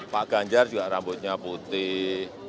pak ganjar juga rambutnya putih